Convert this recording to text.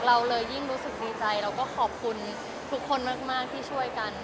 เราเลยยิ่งรู้สึกดีใจเราก็ขอบคุณทุกคนมากที่ช่วยกัน